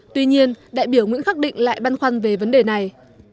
tuy nhiên đại biểu nguyễn khắc định lại băn khoăn về vấn đề này